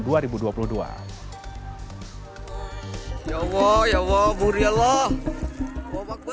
ya allah ya allah muria lah